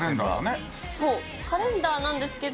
そう、カレンダーなんですけど。